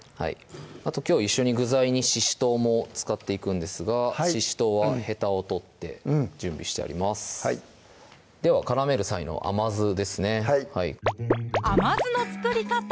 あときょう一緒に具材にししとうも使っていくんですがししとうはヘタを取って準備してありますでは絡める際の甘酢ですねはい甘酢の作り方